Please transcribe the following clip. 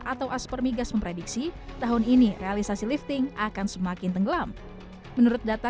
atau aspermigas memprediksi tahun ini realisasi lifting akan semakin tenggelam menurut data